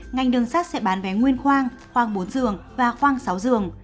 ngành đường sắt sẽ bán vé nguyên khoang khoang bốn giường và khoang sáu giường